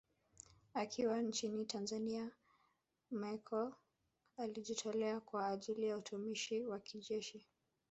Akiwa nchini Tanzania Machel alijitolea kwa ajili ya utumishi wa kijeshi